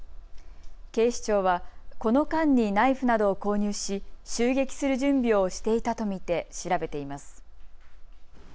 警視庁は、この間にナイフなどを購入し襲撃する準備をしていたと見て調べています。